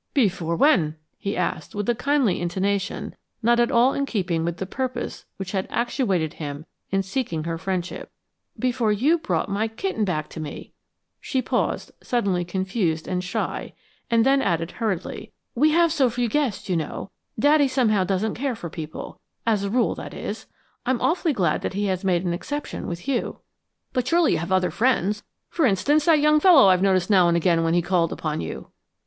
"Before when?" he asked with a kindly intonation not at all in keeping with the purpose which had actuated him in seeking her friendship. "Before you brought my kitten back to me." She paused, suddenly confused and shy, then added hurriedly, "We have so few guests, you know. Daddy, somehow, doesn't care for people as a rule, that is. I'm awfully glad that he has made an exception with you." "But surely you have other friends for instance, that young fellow I've noticed now and again when he called upon you."